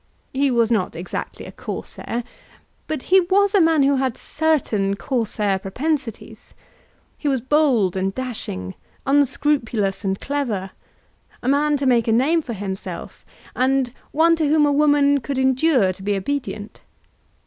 He was not exactly a Corsair; but he was a man who had certain Corsair propensities. He was bold and dashing, unscrupulous and clever, a man to make a name for himself, and one to whom a woman could endure to be obedient.